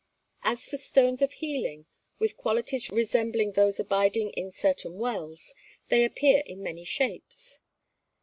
As for Stones of Healing, with qualities resembling those abiding in certain wells, they appear in many shapes.